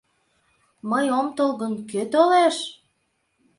Мый ом тол гын, кӧ толеш?